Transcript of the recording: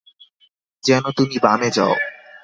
Gen, তুমি বামে যাও।